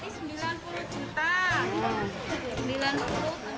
halo berarti sembilan puluh juta